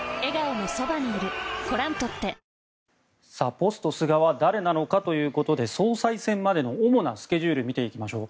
ポスト菅は誰なのかということで総裁選までの主なスケジュールを見ていきましょう。